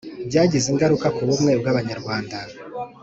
byagize ingaruka ku bumwe bw'abanyarwanda: